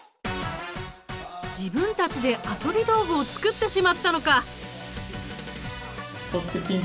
自分たちで遊び道具を作ってしまったのか！